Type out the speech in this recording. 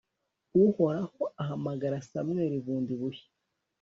uhoraho ahamagara samweli bundi bushya